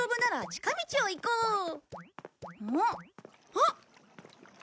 あっ！